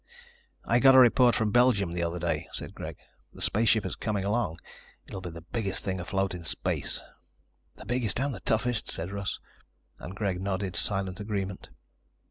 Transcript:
"I got a report from Belgium the other day," said Greg. "The spaceship is coming along. It'll be the biggest thing afloat in space." "The biggest and the toughest," said Russ, and Greg nodded silent agreement.